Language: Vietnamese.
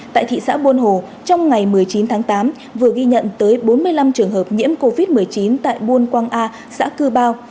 tại thị xã buôn hồ trong ngày một mươi chín tháng tám vừa ghi nhận tới bốn mươi năm trường hợp nhiễm covid một mươi chín tại buôn quang a xã cư bao